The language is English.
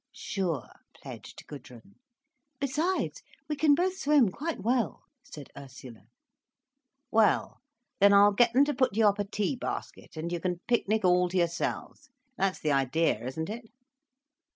"Sure," pledged Gudrun. "Besides, we can both swim quite well," said Ursula. "Well—then I'll get them to put you up a tea basket, and you can picnic all to yourselves,—that's the idea, isn't it?"